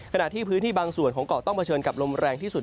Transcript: ขณะที่พื้นที่บางส่วนของเกาะต้องเผชิญกับลมแรงที่สุด